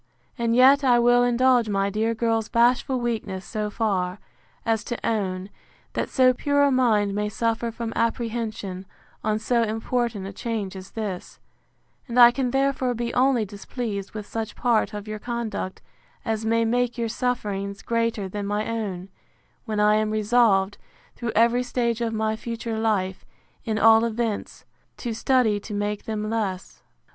And yet I will indulge my dear girl's bashful weakness so far, as to own, that so pure a mind may suffer from apprehension, on so important a change as this; and I can therefore be only displeased with such part of your conduct, as may make your sufferings greater than my own; when I am resolved, through every stage of my future life, in all events, to study to make them less.